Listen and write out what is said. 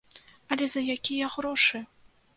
Але за якія грошы?